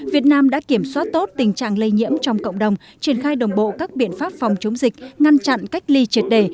việt nam đã kiểm soát tốt tình trạng lây nhiễm trong cộng đồng triển khai đồng bộ các biện pháp phòng chống dịch ngăn chặn cách ly triệt đề